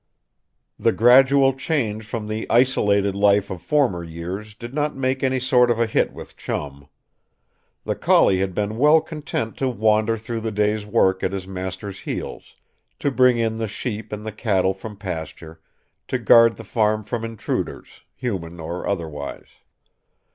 The gradual change from the isolated life of former years did not make any sort of a hit with Chum. The collie had been well content to wander through the day's work at his master's heels; to bring in the sheep and the cattle from pasture; to guard the farm from intruders human or otherwise.